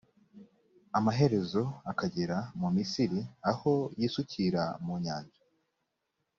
amaherezo akagera mu misiri aho yisukira mu nyanja